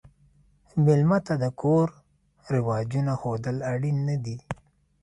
مېلمه ته د کور رواجونه ښودل اړین نه دي.